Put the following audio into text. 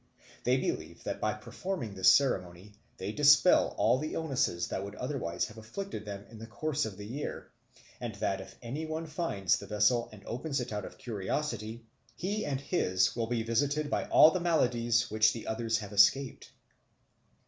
They believe that by performing this ceremony they dispel all the illnesses that would otherwise have afflicted them in the course of the year; and that if any one finds the vessel and opens it out of curiosity, he and his will be visited by all the maladies which the others have escaped.